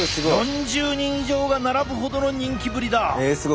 ４０人以上が並ぶほどの人気ぶりだ！